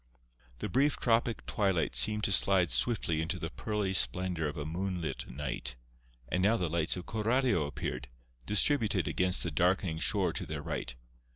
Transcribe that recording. The brief, tropic twilight seemed to slide swiftly into the pearly splendour of a moonlit night. And now the lights of Coralio appeared, distributed against the darkening shore to their right.